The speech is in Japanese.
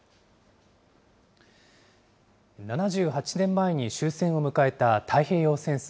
７８年前に終戦を迎えた太平洋戦争。